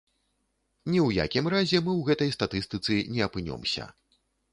Ні ў якім разе мы ў гэтай стылістыцы не апынёмся.